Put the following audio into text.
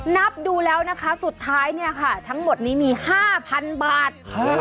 นับดูแล้วนะคะสุดท้ายเนี่ยค่ะทั้งหมดนี้มี๕๐๐๐บาท